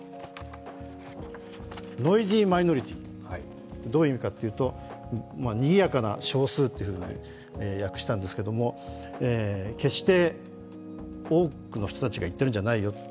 ｎｏｉｓｙｍｉｎｏｒｉｔｙどういう意味かというと、にぎやかな小数というふうに訳したんですけども決して多くの人たちが言っているんじゃないよと。